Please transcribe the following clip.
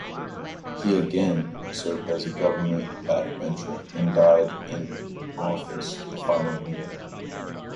He again served as a government backbencher, and died in office the following year.